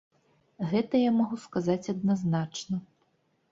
Гэта я магу сказаць адназначна.